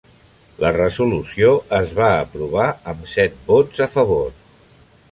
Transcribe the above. La resolució es va aprovar amb set vots a favor.